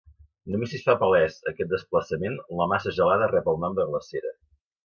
Només si es fa palès aquest desplaçament, la massa gelada rep el nom de glacera.